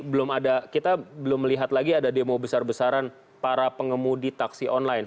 belum ada kita belum melihat lagi ada demo besar besaran para pengemudi taksi online